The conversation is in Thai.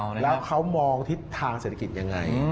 แล้วเขามองทิศทางเศรษฐกิจยังไง